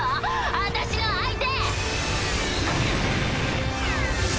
私の相手。